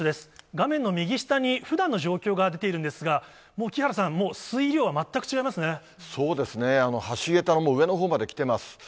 画面の右下に、ふだんの状況が出ているんですが、もう木原さん、そうですね、橋桁のもう上のほうまで来てます。